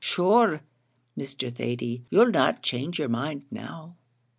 Shure, Mr. Thady, you'll not change your mind now."